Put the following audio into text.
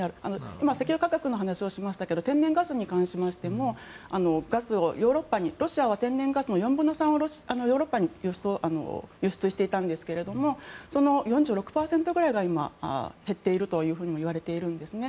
今、石油価格の話をしましたけど天然ガスに関しましてもヨーロッパにロシアは天然ガスの４分の３をヨーロッパに輸出していたんですがその４６％ぐらいが今、減っているともいわれているんですね。